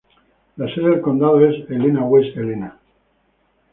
La sede del condado es Helena-West Helena.